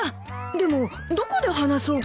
でもどこで話そうか。